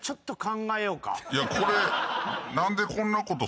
いやこれ。